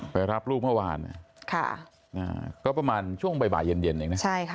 ไปรับลูกเมื่อวานก็ประมาณช่วงบ่ายเย็นเองนะ